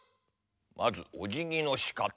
まずおじぎのしかた。